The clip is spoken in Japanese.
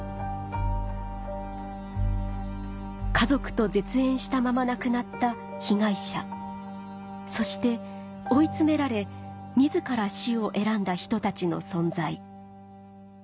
家族と絶縁したまま亡くなった被害者そして追い詰められ自ら死を選んだ人たちの存在